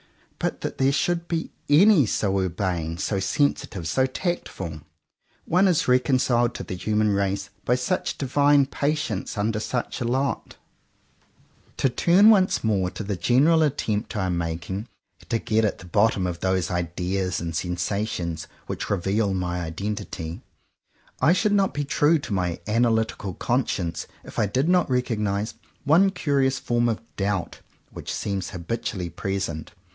But that there should be any so urbane, so sensitive, so tactful! — one is reconciled to the human race by such divine patience under such a lot. 114 JOHN COWPER POWYS To turn once more to the general attempt I am making to get at the bottom of those ideas and sensations which reveal my identity; I should not be true to my analytic conscience if I did not recognize one curious form of doubt which seems habitual ly present.